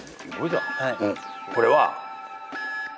これは。